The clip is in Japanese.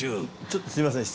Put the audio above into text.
ちょっとすいません